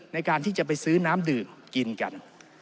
ในการที่จะไปซื้อน้ำดื่มกินกัน